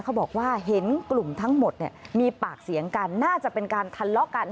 เขาบอกว่าเห็นกลุ่มทั้งหมดเนี่ยมีปากเสียงกันน่าจะเป็นการทะเลาะกัน